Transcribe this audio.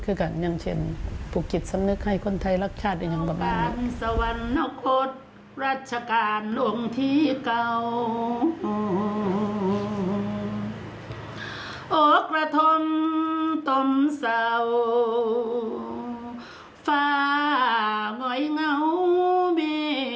คือกับยังเช่นภูกฤทธิ์สำนึกให้คนไทยรักชาติอย่างประมาณนี้